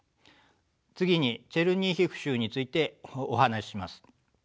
次にチェルニヒウ州についてお話しします。